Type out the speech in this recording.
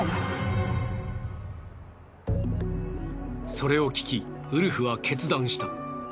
それを聞きウルフは決断した。